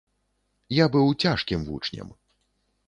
Я быў цяжкім вучнем.